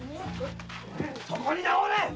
そこに直れっ！